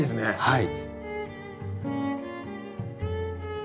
はい。